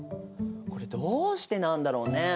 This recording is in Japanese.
これどうしてなんだろうね？